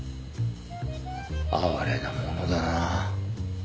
哀れなものだなぁ。